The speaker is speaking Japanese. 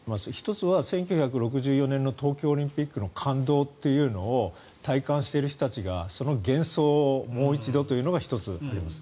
１つは、１９６４年の東京オリンピックの感動を体感している人たちがその幻想をもう一度というのが１つあります。